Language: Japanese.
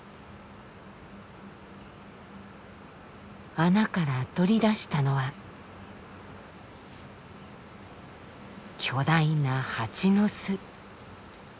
穴から取り出したのは巨大な蜂の巣。